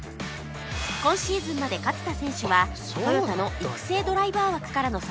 今シーズンまで勝田選手はトヨタの育成ドライバー枠からの参戦でした